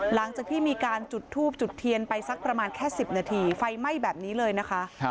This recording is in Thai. หลังจากที่มีการจุดทูบจุดเทียนไปสักประมาณแค่๑๐นาทีไฟไหม้แบบนี้เลยนะคะ